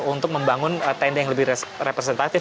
untuk membangun tenda yang lebih representatif